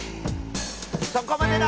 そこまでだ！